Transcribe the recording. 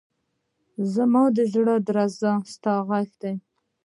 زما ده زړه درزا کي ستا غږ دی